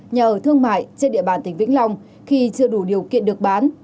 nhà ở thương mại trên địa bàn tỉnh vĩnh long khi chưa đủ điều kiện được bán